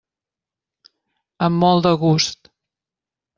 Amb molt de gust.